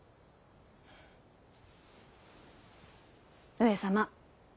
上様。